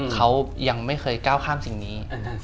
เขายังไม่เคยก้าวข้ามสิ่งนี้